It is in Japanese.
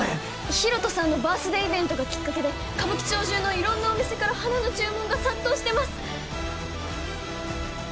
ヒロトさんのバースデーイベントがきっかけで歌舞伎町じゅうの色んなお店から花の注文が殺到してます！